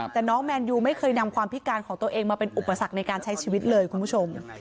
แต่น้องแมนยูไม่เคยนำความพิการของตัวเองมาเป็นอุปสรรคในการใช้ชีวิตเลยคุณผู้ชม